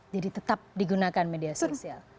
jadi tetap digunakan media sosial